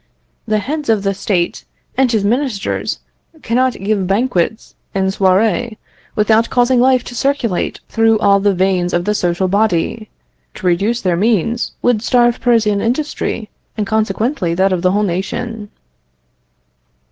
The head of the State and his ministers cannot give banquets and soirées without causing life to circulate through all the veins of the social body. To reduce their means, would starve Parisian industry, and consequently that of the whole nation."